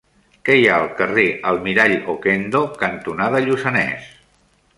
Què hi ha al carrer Almirall Okendo cantonada Lluçanès?